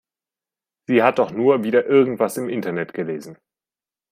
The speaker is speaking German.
Sie hat doch nur wieder irgendwas im Internet gelesen.